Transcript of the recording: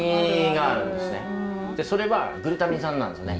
でそれはグルタミン酸なんですよね。